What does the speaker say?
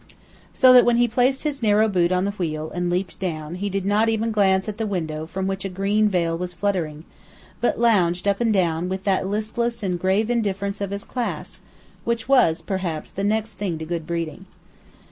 So that when he placed his narrow boot on the wheel and leaped down, he did not even glance at the window from which a green veil was fluttering, but lounged up and down with that listless and grave indifference of his class, which was, perhaps, the next thing to good breeding.